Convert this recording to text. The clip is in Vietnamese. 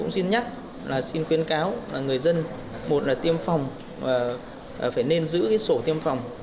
xin khuyến cáo là người dân một là tiêm phòng và phải nên giữ cái sổ tiêm phòng